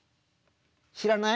知らない？